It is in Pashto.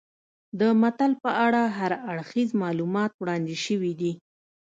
د متل په اړه هر اړخیز معلومات وړاندې شوي دي